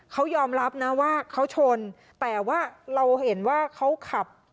เขายอมรับนะว่าเขาชนแต่ว่าเราเห็นว่าเขาขับ